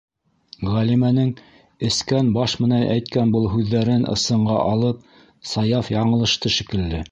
- Ғәлимәнең эскән баш менән әйткән был һүҙҙәрен ысынға алып, Саяф яңылышты, шикелле.